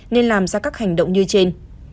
nên làm ra các hành động như trên